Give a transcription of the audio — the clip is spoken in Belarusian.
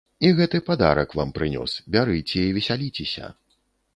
І гэты падарак вам прынёс, бярыце і весяліцеся.